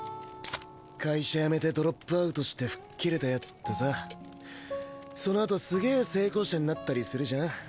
会社辞めてドロップアウトして吹っ切れたヤツってさそのあとすげぇ成功者になったりするじゃん？